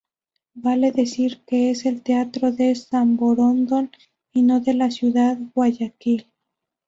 Vale decir que es el teatro de Samborondón y no de la ciudad Guayaquil.